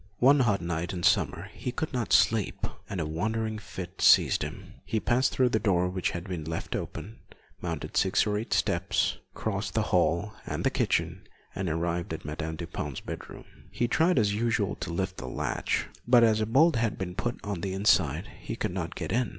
One hot night in summer he could not sleep, and a wandering fit seized him. He passed through a door which had been left open, mounted six or eight steps, crossed the hall and the kitchen and arrived at Madame Dupin's bedroom. He tried as usual to lift the latch, but as a bolt had been put on the inside, he could not get in.